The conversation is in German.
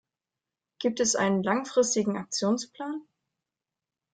Gibt es einen langfristigen Aktionsplan?